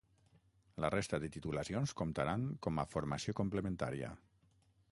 La resta de titulacions comptaran com a formació complementària.